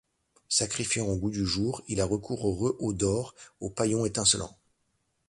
Sacrifiant au goût du jour, il a recours aux rehauts d'or, aux paillons étincelants.